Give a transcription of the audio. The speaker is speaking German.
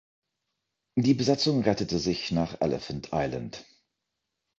Die Besatzung rettete sich nach Elephant Island.